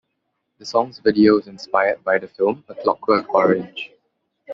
The song's video is inspired by the film "A Clockwork Orange".